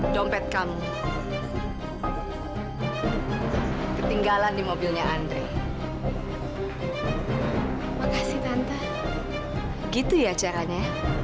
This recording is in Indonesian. sampai jumpa di video selanjutnya